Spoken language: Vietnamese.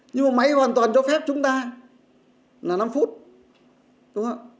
nhưng mà máy hoàn toàn cho phép chúng ta là năm phút